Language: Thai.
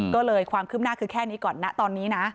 ก็เลยความคืบหน้าคือแค่นี้ก่อนนะตอนนี้นะ